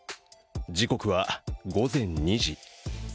時刻は午前２時。